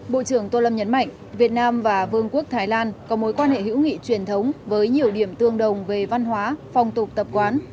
bộ trưởng tô lâm nhấn mạnh việt nam và vương quốc thái lan có mối quan hệ hữu nghị truyền thống với nhiều điểm tương đồng về văn hóa phong tục tập quán